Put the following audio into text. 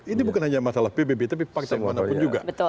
ini bukan hanya masalah pbb tapi pak jokowi pun juga